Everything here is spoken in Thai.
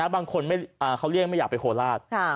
บางคนเขาเรียกไม่อยากไปโคราช